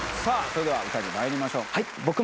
それでは歌にまいりましょう。